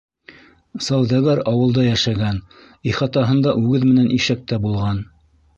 Сауҙагәр ауылда йәшәгән, ихатаһында үгеҙ менән ишәк тә булған.